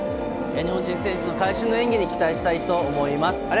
日本人選手の会心の演技に期待したいと思います。